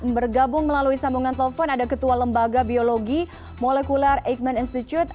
bergabung melalui sambungan telepon ada ketua lembaga biologi molekuler eijkman institute